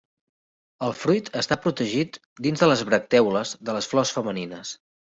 El fruit està protegit dins de les bractèoles de les flors femenines.